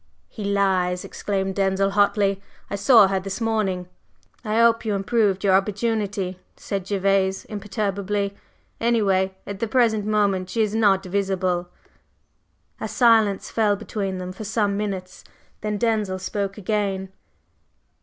"He lies!" exclaimed Denzil, hotly. "I saw her this morning." "I hope you improved your opportunity," said Gervase, imperturbably. "Anyway, at the present moment she is not visible." A silence fell between them for some minutes; then Denzil spoke again.